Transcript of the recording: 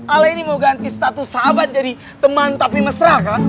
ale ini mau ganti status sahabat jadi teman tapi mesra kan